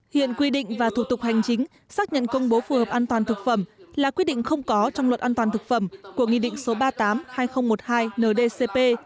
hiện quy định và thủ tục hành chính xác nhận công bố phù hợp an toàn thực phẩm là quyết định không có trong luật an toàn thực phẩm của nghị định số ba mươi tám hai nghìn một mươi hai ndcp